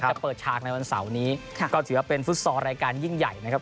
จะเปิดฉากในวันเสาร์นี้ก็ถือว่าเป็นฟุตซอลรายการยิ่งใหญ่นะครับ